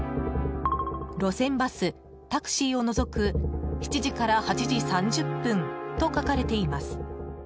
路線バス、タクシーを除く７時から８時３０分と書かれています。